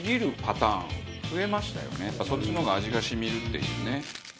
そっちの方が味が染みるっていうね。